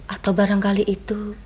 atau barangkali itu